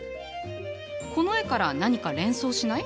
この絵から何か連想しない？